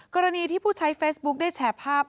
กรณีที่ผู้ใช้เฟซบุ๊คได้แชร์ภาพ